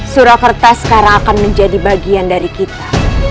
surakarta sekarang akan menjadi bagian dari kita